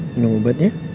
minum ubat ya